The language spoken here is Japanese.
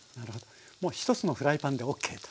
もう１つのフライパンでＯＫと。